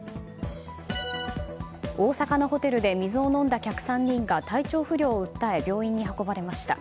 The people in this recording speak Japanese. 大阪のホテルで水を飲んだ客３人が体調不良を訴え病院に運ばれました。